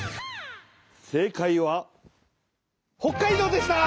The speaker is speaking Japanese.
正かいは北海道でした。